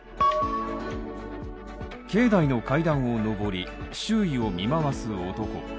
境内の階段を上り、周囲を見回す男。